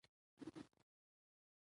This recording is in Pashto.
لوستې میندې ماشومان په پاکو جامو ساتي.